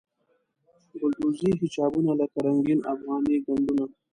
ګلدوزي حجابونه لکه رنګین افغاني ګنډونه.